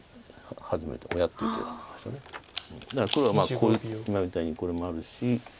だから黒はこういう今みたいにこれもあるし。